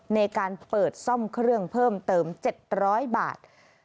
ในการเปิดซ่อมเครื่องเพิ่มเติม๗๐๐บาท